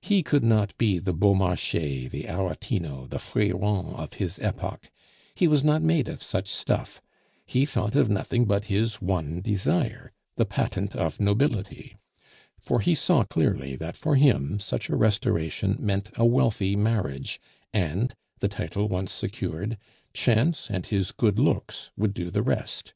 He could not be the Beaumarchais, the Aretino, the Freron of his epoch; he was not made of such stuff; he thought of nothing but his one desire, the patent of nobility; for he saw clearly that for him such a restoration meant a wealthy marriage, and, the title once secured, chance and his good looks would do the rest.